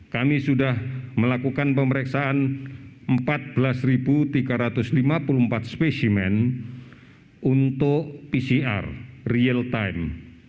kami sudah melakukan pemeriksaan empat belas tiga ratus lima puluh empat spesimen untuk pcr real time